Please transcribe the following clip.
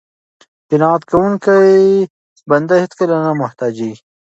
قناعت کوونکی بنده هېڅکله نه محتاج کیږي.